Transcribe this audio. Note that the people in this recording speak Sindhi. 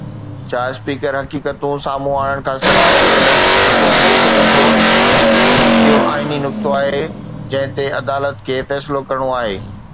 ڇا اسپيڪر حقيقتون سامهون آڻڻ کانسواءِ اهڙو حڪم ڏئي سگهي ٿو؟ اهو آئيني نقطو آهي جنهن تي عدالت کي فيصلو ڪرڻو آهي.